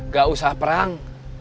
gak usah perang